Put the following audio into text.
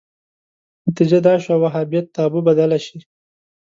نتیجه دا شوه وهابیت تابو بدله شي